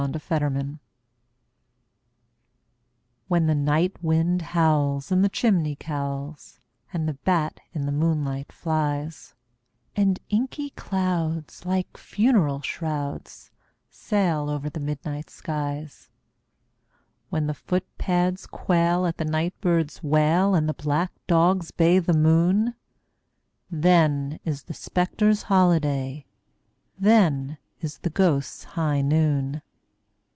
THE GHOSTS' HIGH NOON WHEN the night wind howls in the chimney cowls, and the bat in the moonlight flies, And inky clouds, like funeral shrouds, sail over the midnight skies— When the footpads quail at the night bird's wail, and black dogs bay the moon, Then is the spectres' holiday—then is the ghosts' high noon!